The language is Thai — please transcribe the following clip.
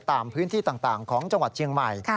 ตามพื้นที่ต่างของจังหวัดเชียงใหม่